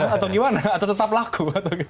atau gimana atau tetap laku